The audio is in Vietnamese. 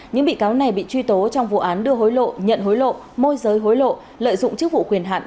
những bị cáo này bị truy tố trong vụ án đưa hối lộ nhận hối lộ môi giới hối lộ lợi dụng chức vụ quyền hạn